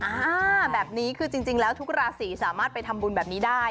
อ่าแบบนี้คือจริงแล้วทุกราศีสามารถไปทำบุญแบบนี้ได้